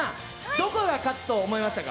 どこが勝つと思いましたか？